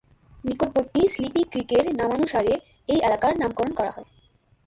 নিকটবর্তী স্লিপি ক্রিকের নামানুসারে এই এলাকার নামকরণ করা হয়।